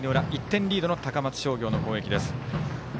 １点リードの高松商業の攻撃です。